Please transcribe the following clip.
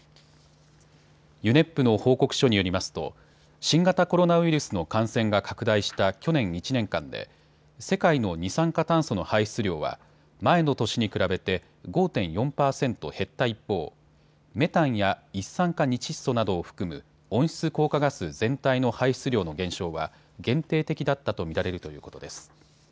ＵＮＥＰの報告書によりますと新型コロナウイルスの感染が拡大した去年１年間で世界の二酸化炭素の排出量は前の年に比べて５．４％減った一方、メタンや一酸化二窒素などを含む温室効果ガス全体の排出量の減少は限定的だったと見られるということです。